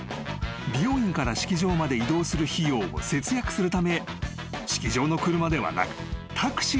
［美容院から式場まで移動する費用を節約するため式場の車ではなくタクシーを予約していた］